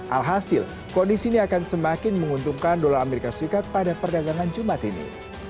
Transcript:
alhasil kondisi ini akan semakin menguntungkan dolar amerika serikat pada perdagangan jumat ini